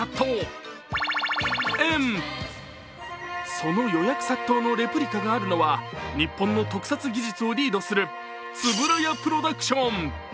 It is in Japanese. その予約殺到のレプリカがあるのは、日本の特撮技術をリードする円谷プロダクション。